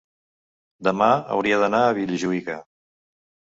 demà hauria d'anar a Vilajuïga.